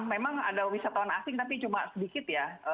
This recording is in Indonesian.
memang ada wisatawan asing tapi cuma sedikit ya